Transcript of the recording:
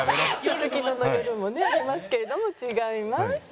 すすきのの夜もねありますけれども違います。